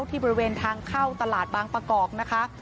ที่บริเวณทางเข้าตลาดบางประกอบนะคะ